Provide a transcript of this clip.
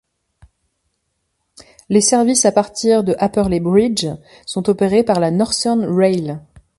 Les services à partir de Apperley Bridge sont opérés par Northern Rail.